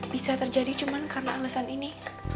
bisa terjadi cuma karena alasan ini